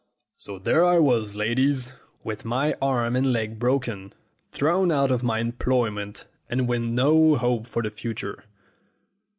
"So there I was, ladies, with my arm and leg broken, thrown out of my employment, and with no hope for the future.